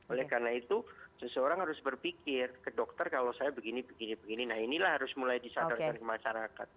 oleh karena itu seseorang harus berpikir ke dokter kalau saya begini begini nah inilah harus mulai disadarkan ke masyarakat